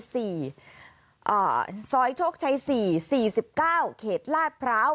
ซอยโชคชัย๔๔๙เขตลาดพร้าว